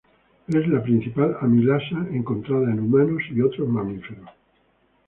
Es la principal amilasa encontrada en humanos y otros mamíferos.